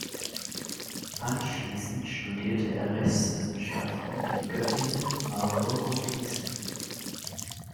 Anschließend studierte er Rechtswissenschaften in Göttingen, Marburg und Gießen.